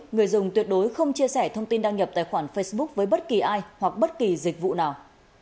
người dùng tuyệt đối không chia sẻ thông tin đăng nhập tài khoản facebook với bất kỳ ai hoặc bất kỳ dịch vụ nào